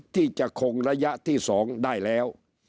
ที่จะคงระยะที่๒ได้แล้ว